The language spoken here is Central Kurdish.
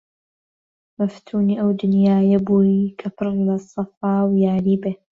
مەفتونی ئەو دنیایە بووی کە پڕ لە سەفا و یاری بێ!